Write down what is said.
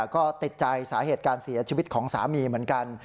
ก็ติดใจสาเหตุการเสียชีวิตของสามีเหมือนกัน